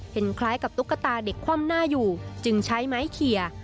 คล้ายกับตุ๊กตาเด็กคว่ำหน้าอยู่จึงใช้ไม้เขีย